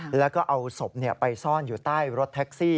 แล้วก็เอาศพไปซ่อนอยู่ใต้รถแท็กซี่